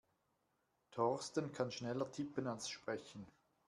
Thorsten kann schneller tippen als sprechen.